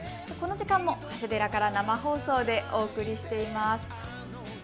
この時間も長谷寺から生放送でお送りしています。